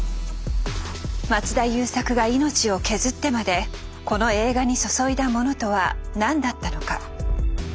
松田優作が命を削ってまでこの映画に注いだものとは何だったのか。